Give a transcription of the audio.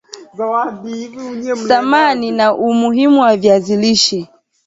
Thamani na umuhimu wa viazi lishe